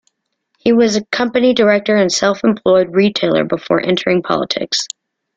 He was a company director and self-employed retailer before entering politics.